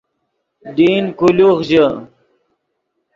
ڈین کولوخ ژے